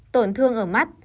tổn thương ở mắt